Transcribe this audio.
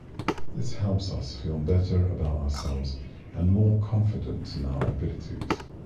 This helps us feel better about ourselves and more confident in our abilities.